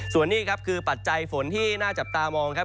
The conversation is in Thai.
ส่วนนี้ครับคือปัจจัยฝนที่น่าจับตามองครับ